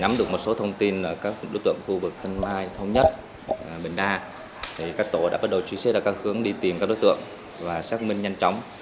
nắm được một số thông tin là các đối tượng khu vực tân mai thống nhất bình đa các tổ đã bắt đầu truy xét ra các hướng đi tìm các đối tượng và xác minh nhanh chóng